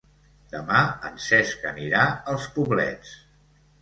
Demà en Cesc anirà als Poblets.